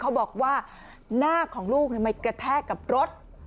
เขาบอกว่าหน้าของลูกทำไมกระแทกกับรถ